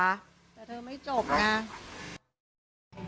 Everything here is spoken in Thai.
แต่เธอไม่จบไง